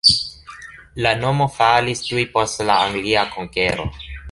La nomo falis tuj post la anglia konkero.